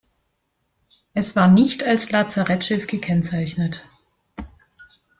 Es war nicht als Lazarettschiff gekennzeichnet.